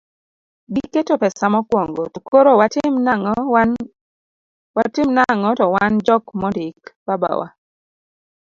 giketo pesa mokuongo to koro watim nang'o to wan jok mondik, baba wa